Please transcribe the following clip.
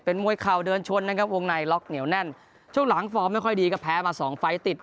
มวยเข่าเดินชนนะครับวงในล็อกเหนียวแน่นช่วงหลังฟอร์มไม่ค่อยดีก็แพ้มาสองไฟล์ติด